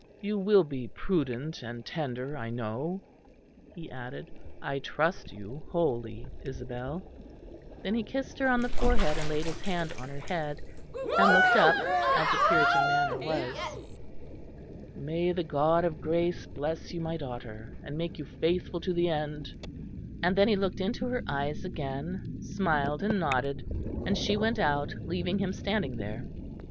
"You will be prudent and tender, I know," he added. "I trust you wholly, Isabel." Then he kissed her on the forehead and laid his hand on her head, and looked up, as the Puritan manner was. "May the God of grace bless you, my daughter; and make you faithful to the end." And then he looked into her eyes again, smiled and nodded; and she went out, leaving him standing there.